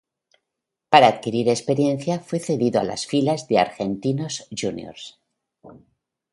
Para adquirir experiencia, fue cedido a las filas de Argentinos Juniors.